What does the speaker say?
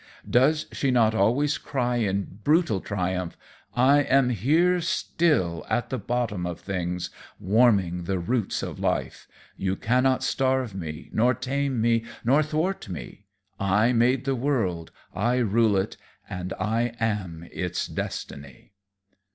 Does she not always cry in brutal triumph: "I am here still, at the bottom of things, warming the roots of life; you cannot starve me nor tame me nor thwart me; I made the world, I rule it, and I am its destiny."